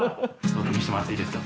見せてもらっていいですか？